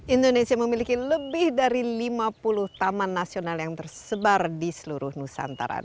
indonesia memiliki lebih dari lima puluh taman nasional yang tersebar di seluruh nusantara